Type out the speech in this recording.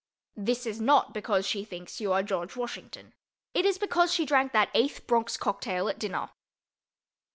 This is not because she thinks you are George Washington; it is because she drank that eighth Bronx cocktail at dinner.